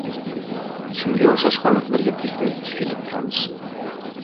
shunga oʻxshash holatlarga tez-tez duch kelib turamiz.